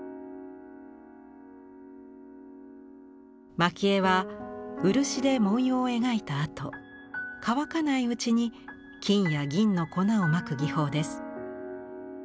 蒔絵は漆で文様を描いたあと乾かないうちに金や銀の粉をまく技法です。